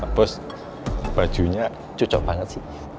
pak bos bajunya cocok banget sih